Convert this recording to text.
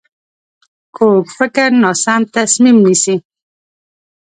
کوږ فکر ناسم تصمیم نیسي